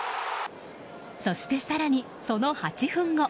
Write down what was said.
そして、更にその８分後。